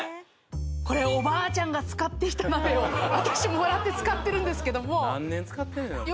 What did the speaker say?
これおばあちゃんが使っていた鍋を私もらって使ってるんですけども何年使ってるのよ？